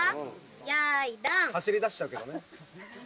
用意ドン走りだしちゃうけどね